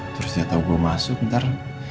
terus dia tahu gue masuk ntar